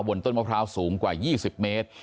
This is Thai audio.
ต้นมะพร้าวสูงกว่า๒๐เมตร